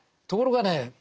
ところがね